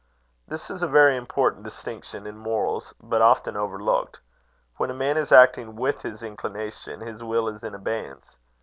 This is a very important distinction in morals, but often overlooked. When a man is acting with his inclination, his will is in abeyance.